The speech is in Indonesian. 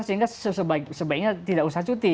sehingga sebaiknya tidak usah cuti